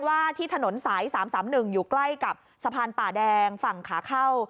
ว่าที่ถนนสาย๓๓๑อยู่ใกล้กับสะพานป่าแดงฝั่งขาเข้า